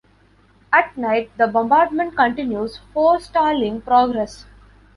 At night the bombardment continues, forestalling progress.